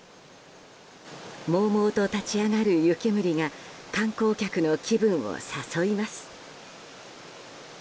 もうもうと立ち上がる湯けむりが観光客の気分を誘います。